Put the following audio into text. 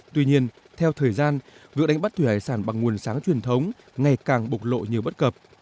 tuy nhiên theo thời gian việc đánh bắt thủy hải sản bằng nguồn sáng truyền thống ngày càng bộc lộ nhiều bất cập